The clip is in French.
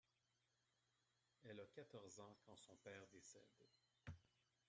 Elle a quatorze ans quand son père décède.